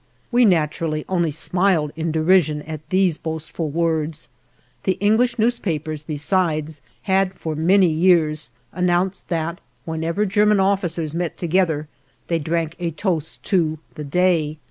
We naturally only smiled in derision at these boastful words. The English newspapers, besides, had for many years announced that whenever German officers met together they drank a toast "To the Day."